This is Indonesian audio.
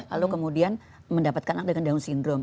lalu kemudian mendapatkan anak dengan down syndrome